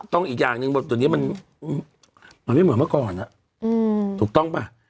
ต้องอีกอย่างตอนนี้มันไม่เหมือนเมื่อก่อน